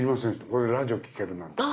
これでラジオを聴けるなんて。